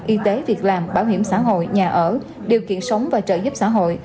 y tế việc làm bảo hiểm xã hội nhà ở điều kiện sống và trợ giúp xã hội